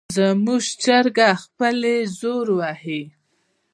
زموږ چرګه خپلې وزرې وهي.